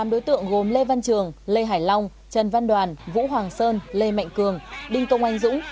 tám đối tượng gồm lê văn trường lê hải long trần văn đoàn vũ hoàng sơn lê mạnh cường đinh công anh dũng